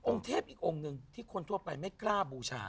เทพอีกองค์หนึ่งที่คนทั่วไปไม่กล้าบูชา